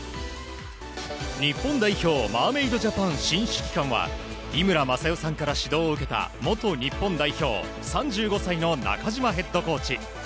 日本代表マーメイドジャパン新指揮官は井村雅代さんから指導を受けた元日本代表３５歳の中島ヘッドコーチ。